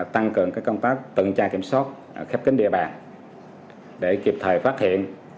tăng cường các công tác tận tra kiểm soát khép kính địa bàn để kịp thời phát hiện